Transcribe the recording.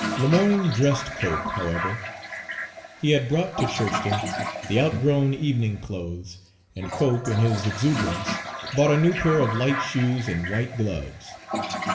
Lemoyne dressed Cope, however. He had brought to Churchton the outgrown evening clothes; and Cope, in his exuberance, bought a new pair of light shoes and white gloves.